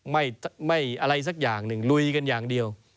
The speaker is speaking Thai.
ไม่อะไรสักอย่างหนึ่งลุยกันอย่างเดียว